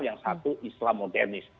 yang satu islam modernis